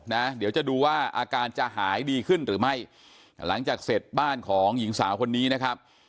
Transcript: นะเดี๋ยวจะดูว่าอาการจะหายดีขึ้นหรือไม่หลังจากเสร็จบ้านของหญิงสาวคนนี้นะครับ